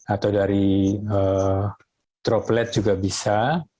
atau dari droplet juga bisa